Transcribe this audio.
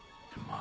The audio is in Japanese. あ？